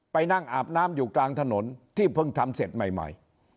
ไปนั่งอาบน้ำอยู่กลางถนนที่เพิ่งทำเสร็จใหม่